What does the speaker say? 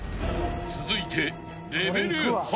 ［続いて］